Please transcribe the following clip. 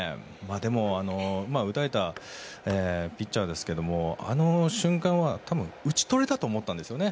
でも、打たれたピッチャーですがあの瞬間は打ち取れたと思ったんですよね。